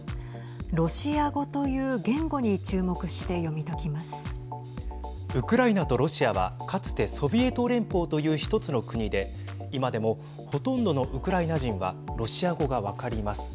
ロシア語という言語にウクライナとロシアはかつてソビエト連邦という１つの国で今でもほとんどのウクライナ人はロシア語が分かります。